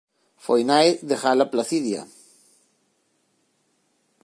Foi nai de Gala Placidia.